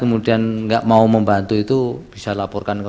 kemudian nggak mau membantu itu bisa laporkan